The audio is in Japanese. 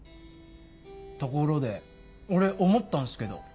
ところで俺思ったんすけど。